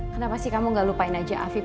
kenapa sih kamu gak lupain aja afib